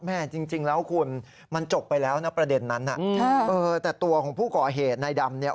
จริงแล้วคุณมันจบไปแล้วนะประเด็นนั้นแต่ตัวของผู้ก่อเหตุในดำเนี่ย